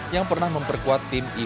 yang pernah memperkuat tim indonesia